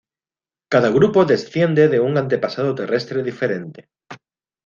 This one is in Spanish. Cada grupo desciende de un antepasado terrestre diferente.